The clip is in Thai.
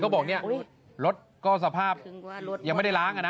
เขาบอกนี่รถก็สภาพยังไม่ได้ล้าง